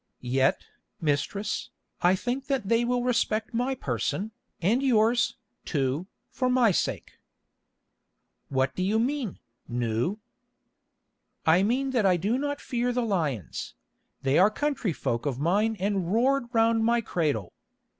"Yet, mistress, I think that they will respect my person, and yours, too, for my sake." "What do you mean, Nou?" "I mean that I do not fear the lions; they are country folk of mine and roared round my cradle.